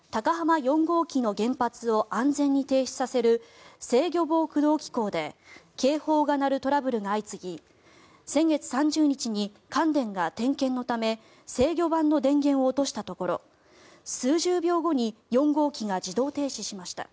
４号機の原発を安全に停止させる制御棒駆動機構で警報が鳴るトラブルが相次ぎ先月３０日に関電が点検のため制御盤の電源を落としたところ数十秒後に４号機が自動停止しました。